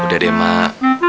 udah deh mak